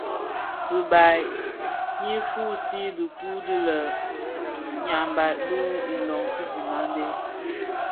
Ribal Nyi fusii dhikuu di lenyambaï bi ilöň ki dhimandé.